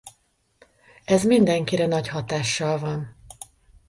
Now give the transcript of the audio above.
Ez mindenkire nagy hatással van.